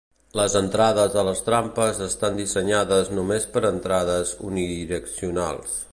Les entrades a les trampes estan dissenyades només per a entrades unidireccionals.